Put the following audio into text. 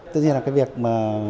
tất nhiên là cái việc mà